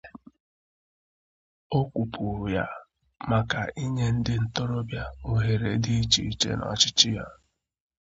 O kwupùùrù ya maka inye ndị ntorobịa òhèrè dị iche iche n'ọchịchị ya